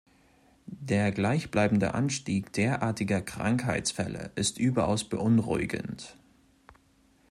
Der gleichbleibende Anstieg derartiger Krankheitsfälle ist überaus beunruhigend.